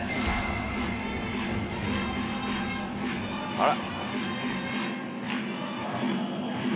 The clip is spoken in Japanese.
「あら！」